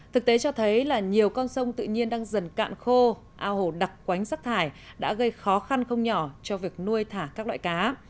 thực tế cho thấy là nhiều con sông tự nhiên đang dần cạn khô ao hồ đặc quánh rác thải đã gây khó khăn không nhỏ cho việc nuôi thả các loại cá